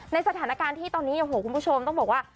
ในสถานการณ์ที่ตอนนี้โอ้โหคุณผู้ชมต้องบอกว่า